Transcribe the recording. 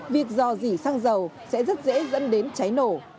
việc dò dỉ xăng dầu sẽ rất dễ dẫn đến cháy nổ